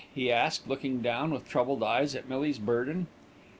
he asked, looking down with troubled eyes at Millie's burden.